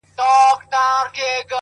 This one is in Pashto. • که آرام غواړې ـ د ژوند احترام وکړه ـ